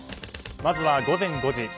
まずは午前５時。